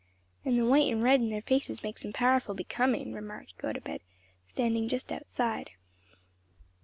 "And the white and red in their faces makes them powerful becoming," remarked Gotobed, standing just outside.